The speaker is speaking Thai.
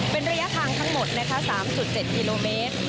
เป็นระยะทางทั้งหมดนะคะ๓๗กิโลเมตร